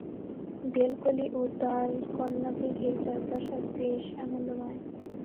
বেলকলি ও তার কন্যাকে ঘিরে চারপাশ আজ বেশ আনন্দময়।